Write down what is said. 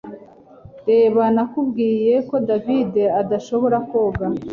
Reba nakubwiye ko David adashobora koga